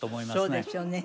そうですよね。